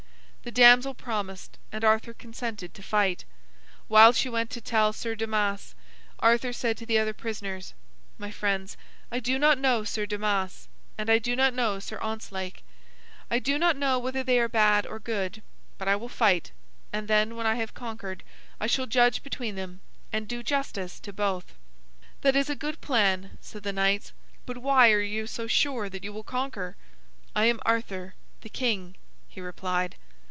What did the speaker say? The damsel promised, and Arthur consented to fight. While she went to tell Sir Damas, Arthur said to the other prisoners: "My friends, I do not know Sir Damas, and I do not know Sir Ontzlake. I do not know whether they are bad or good. But I will fight, and then, when I have conquered, I shall judge between them, and do justice to both." "That is a good plan," said the knights, "but why are you so sure that you will conquer?" "I am Arthur, the King," he replied.